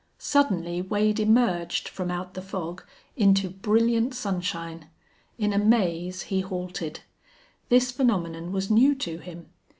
Suddenly Wade emerged from out the fog into brilliant sunshine. In amaze he halted. This phenomenon was new to him.